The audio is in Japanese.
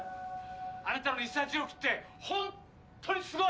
あなたのリサーチ力ってホントにすごい！